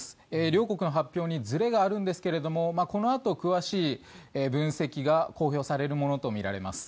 両国の発表にずれがあるんですがこのあと詳しい分析が公表されるものとみられます。